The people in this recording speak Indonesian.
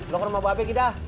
lo ke rumah bapak kita